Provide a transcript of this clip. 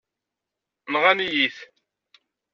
Nɣan-iyi-t.